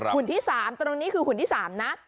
หุ่นที่๓ตรงนี้คือหุ่นที่๓นะ